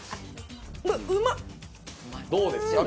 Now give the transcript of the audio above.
どうですか？